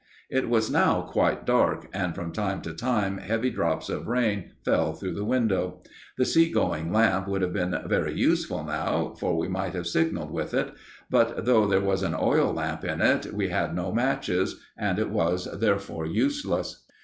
It was now quite dark, and from time to time heavy drops of rain fell through the window. The sea going lamp would have been very useful now, for we might have signalled with it; but though there was an oil lamp in it, we had no matches, and it was therefore useless.